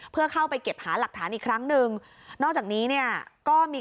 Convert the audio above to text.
เพื่อเข้าไปเก็บหาหลักฐานอีกครั้งหนึ่งนอกจากนี้เนี่ยก็มี